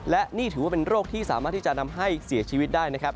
และนี่ถือว่าเป็นโรคที่สามารถที่จะทำให้เสียชีวิตได้นะครับ